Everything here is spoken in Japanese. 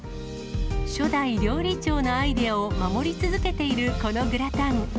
初代料理長のアイデアを守り続けているこのグラタン。